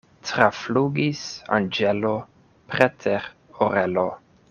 Traflugis anĝelo preter orelo.